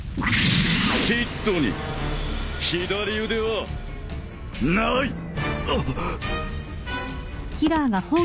キッドに左腕はない！あっ！？